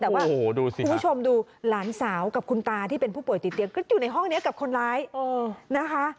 แต่ว่าคุณผู้ชมดูหลานสาวกับคุณตาที่เป็นผู้ป่วยติดเตียงก็อยู่ในห้องนี้กับคนร้ายนะคะ